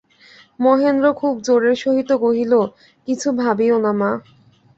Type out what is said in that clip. মহেন্দ্র খুব জোরের সহিত কহিল, কিছু ভাবিয়ো না মা।